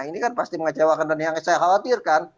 ini kan pasti mengecewakan dan yang saya khawatirkan